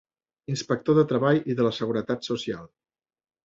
Inspector de Treball i de la Seguretat Social.